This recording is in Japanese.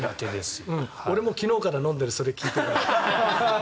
俺も昨日から飲んでるそれを聞いて。